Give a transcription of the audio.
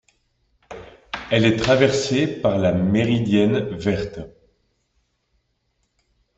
Elle est traversée par la Méridienne Verte.